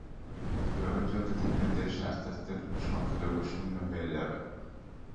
এভাবে চলতে থাকলে দেশ আস্তে আস্তে সংখ্যালঘুশূন্য হয়ে যাবে।